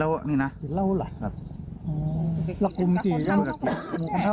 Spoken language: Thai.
เป็นประจำสำเร็จแรกของผู้